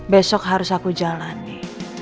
besok harus aku jalani